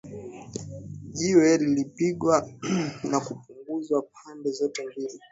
jiwe lilipigwa na kupunguzwa pande zote mbili